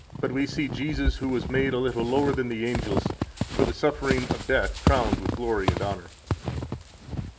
But we see Jesus, who was made a little lower than the angels, for the suffering of death crowned with glory and honor.